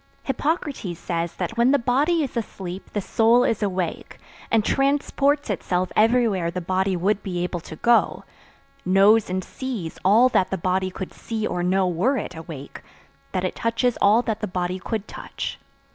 Hippocrates says that when the body is asleep the soul is awake, and transports itself everywhere the body would be able to go; knows and sees all that the body could see or know were it awake; that it touches all that the body could touch.